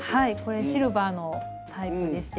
これシルバーのタイプでして。